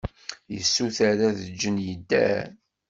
Yessuter ad t-ǧǧen yedder.